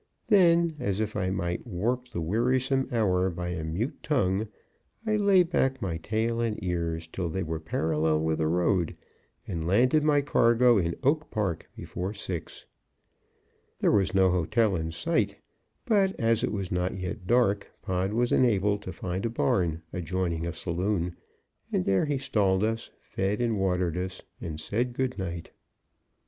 Then, as if I might warp the wearisome hour by a mute tongue, I lay back my tail and ears till they were parallel with the road, and landed my cargo in Oak Park before six. There was no hotel in sight, but as it was not yet dark, Pod was enabled to find a barn, adjoining a saloon, and there he stalled us, fed and watered us, and said good night.